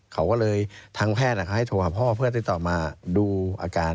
เขาก็เลยทางแพทย์เขาให้โทรหาพ่อเพื่อติดต่อมาดูอาการ